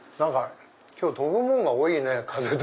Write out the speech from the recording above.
今日飛ぶもんが多いね風で。